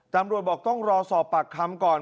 ตำรวจบอกต้องรอสอบปากคำก่อน